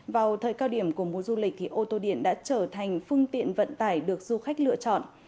vào thời cao điểm của mùa du lịch thì ô tô điện đã trở thành phương tiện vận tải được du khách lựa chọn